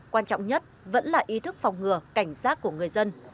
quan trọng nhất vẫn là ý thức phòng ngừa cảnh giác của người dân